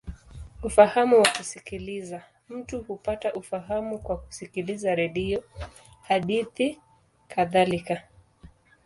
Ufahamu wa kusikiliza: mtu hupata ufahamu kwa kusikiliza redio, hadithi, nakadhalika.